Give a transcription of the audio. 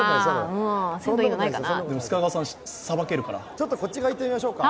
ちょっとこっち側行ってみましょうか。